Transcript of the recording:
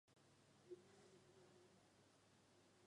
目前全市人口中依然是藏族居多数。